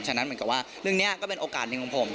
ฉะนั้นเหมือนกับว่าเรื่องนี้ก็เป็นโอกาสหนึ่งของผม